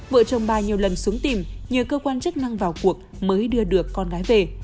vợ chồng bà nhiều lần xuống tìm nhờ cơ quan chức năng vào cuộc mới đưa được con gái về